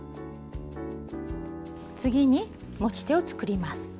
次に持ち手を作ります。